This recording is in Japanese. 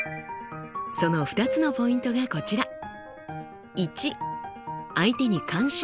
その２つのポイントがこちら。